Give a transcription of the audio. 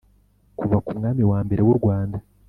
Kuva ku mwami wa mbere w u Rwanda